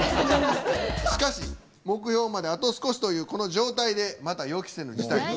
しかし目標まであと少しというこの状態でまた予期せぬ事態が。